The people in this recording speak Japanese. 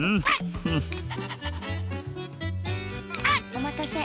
おまたせ。